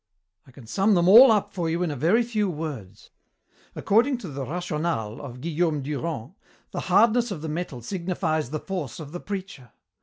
"I can sum them all up for you in a very few words. According to the Rational of Guillaume Durand, the hardness of the metal signifies the force of the preacher.